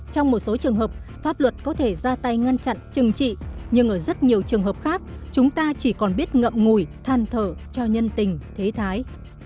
trong một số trường hợp pháp luật có thể ra tay ngăn chặn chừng trị nhưng ở rất nhiều trường hợp khác chúng ta chỉ còn biết ngậm ngùi than thở cho nhân tình thế thái